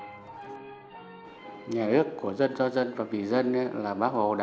nhà ước của dân cho dân và vị dân